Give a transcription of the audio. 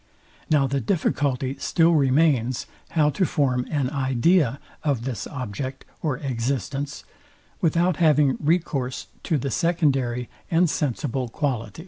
Now the difficulty still remains, how to form an idea of this object or existence, without having recourse to the secondary and sensible qualities.